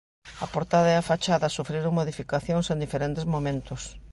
A portada e a fachada sufriron modificacións en diferentes momentos.